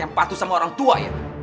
yang patuh sama orangtua iya